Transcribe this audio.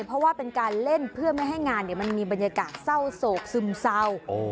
เพราะว่าเป็นการเล่นเพื่อไม่ให้งานมันมีบรรยากาศเศร้าโศกซึมเศร้า